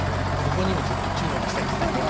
ここにもちょっと注目したいですね。